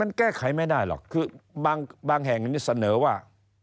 มันแก้ไขไม่ได้หรอกคือบางแห่งนี่เสนอว่า